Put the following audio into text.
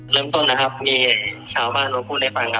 เริ่มต้นนะครับมีชาวบ้านแล้วพูดให้พัง